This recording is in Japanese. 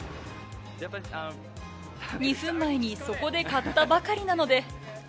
２分前にそこで買ったばかりなので。